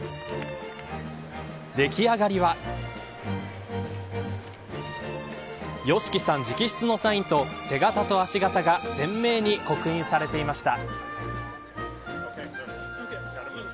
出来上がりはＹＯＳＨＩＫＩさん直筆のサインと手形と足形が鮮明に刻印されていました。